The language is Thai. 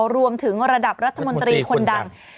รวมถึงระดับรัฐมนตรีคนดัง